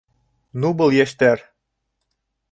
Ну, был йәштәр!